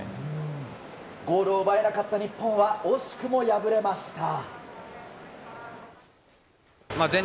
ゴールを奪えなかった日本は惜しくも敗れました。